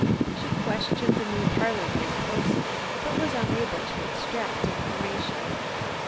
She questioned the new parlor maid closely, but was unable to extract information.